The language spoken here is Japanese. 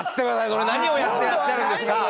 それ何をやってらっしゃるんですか？